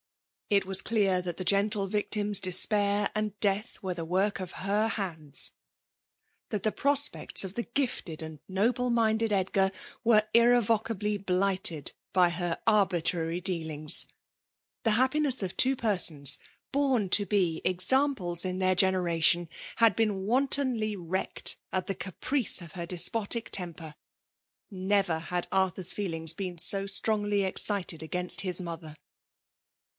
It was clear that the gentle victim's despair and death were the work of her hands; that the prospects of the gifted and noble minded Edgar were irrevocably blighted by her fKMALK DOMINATION. 241' arbitraisf dealinga. The bapphiessof two persons, l)oni to be examples in. their gfi^nerit tion, had been wantonly wrecked at thtf capriee of her despotic temper. Never liad Artbut's feelings been so strongly excited agninst his mother.